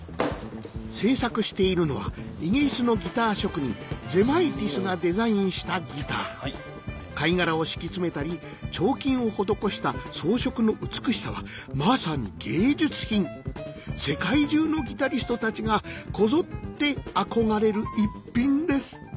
製作しているのはイギリスのギター職人ＺＥＭＡＩＴＩＳがデザインしたギター貝殻を敷き詰めたり彫金を施した装飾の美しさはまさに芸術品世界中のギタリストたちがこぞって憧れる逸品です